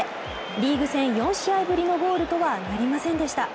リーグ戦４試合ぶりのゴールとはなりませんでした。